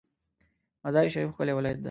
مزار شریف ښکلی ولایت ده